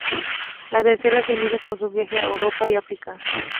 La tercera se inicia con su viaje a Europa y África.